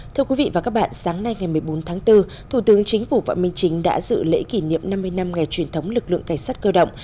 thưa quý vị và các bạn sáng nay ngày một mươi bốn tháng bốn thủ tướng chính phủ võ minh chính đã dự lễ kỷ niệm năm mươi năm ngày truyền thống lực lượng cảnh sát cơ động